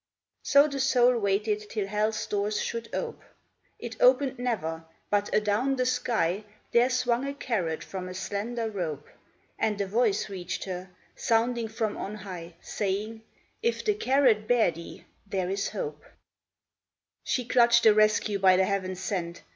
So the soul waited till Hell's doors should ope. It opened never, but adown the sky There swung a carrot from a slender rope, And a voice reached her, sounding from on high, Saying, " If the carrot bear thee, there is hope." 28 THE LEGEND OF THE ALMOST SA VED She clutched the rescue by the Heavens sent.